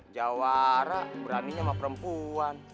jawara berani sama perempuan